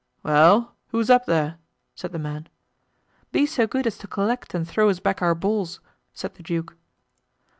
"Well? Who's up there?" said the man. "Be so good as to collect and throw us back our balls," said the duke.